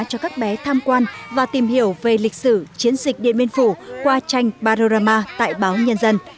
cho các bé tham quan và tìm hiểu về lịch sử chiến dịch điện biên phủ qua tranh barorama tại báo nhân dân